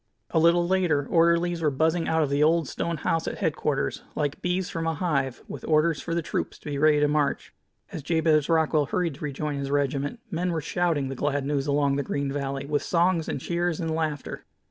A little later orderlies were buzzing out of the old stone house at headquarters like bees from a hive, with orders for the troops to be ready to march. As Jabez Rockwell hurried to rejoin his regiment, men were shouting the glad news along the green valley, with songs and cheers and laughter.